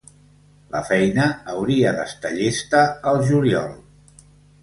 La feina hauria d’estar llesta al juliol.